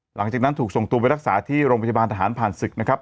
หลังจากนั้นถูกส่งตัวไปรักษาที่โรงพยาบาลทหารผ่านศึกนะครับ